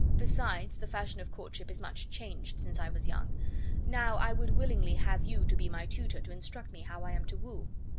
Besides, the fashion of courtship is much changed since I was young. Now I would willingly have you to be my tutor to instruct me how I am to woo."